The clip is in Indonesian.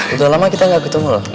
udah lama kita nggak ketemu loh